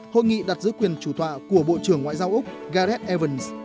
hội nghị đặt giữ quyền chủ tọa của bộ trưởng ngoại giao úc gareth eren